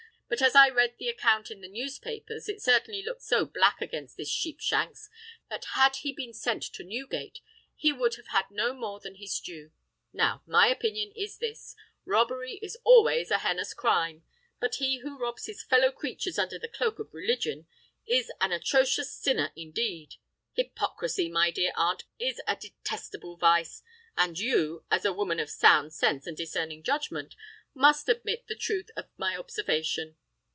"But as I read the account in the newspapers, it certainly looked so black against this Sheepshanks, that had he been sent to Newgate, he would have had no more than his due. Now, my opinion is this:—robbery is always a heinous crime; but he who robs his fellow creatures under the cloak of religion, is an atrocious sinner indeed. Hypocrisy, my dear aunt, is a detestable vice; and you, as a woman of sound sense and discerning judgment, must admit the truth of my observation.